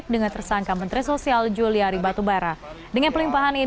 dan melakukan pelajaran